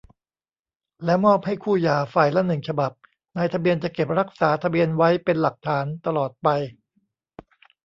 แล้วมอบให้คู่หย่าฝ่ายละ หนึ่ง ฉบับ นายทะเบียนจะเก็บรักษาทะเบียนไว้เป็นหลักฐานตลอดไป